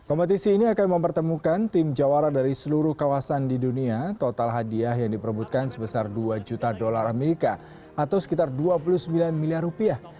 kompetisi ini akan mempertemukan tim jawara dari seluruh kawasan di dunia total hadiah yang diperbutkan sebesar dua juta dolar amerika atau sekitar dua puluh sembilan miliar rupiah